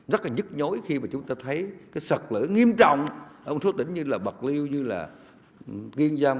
rất là nhức nhói khi mà chúng ta thấy cái sợt lỡ nghiêm trọng ở một số tỉnh như là bạc liêu như là nghiên giang